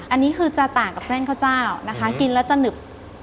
อันนี้คือจะต่างกับเส้นข้าวเจ้านะคะกินแล้วจะหนึบ